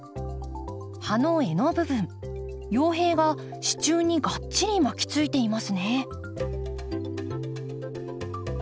葉の柄の部分葉柄が支柱にがっちり巻きついていますね。